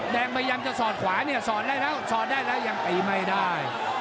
พยายามจะสอดขวาเนี่ยสอดได้แล้วสอดได้แล้วยังตีไม่ได้